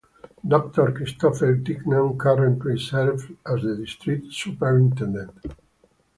Doctor Christopher Dignam currently serves as the district's superintendent.